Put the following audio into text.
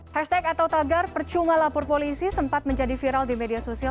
hashtag atau tagar percuma lapor polisi sempat menjadi viral di media sosial